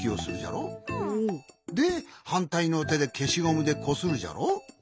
ではんたいのてでけしゴムでこするじゃろ？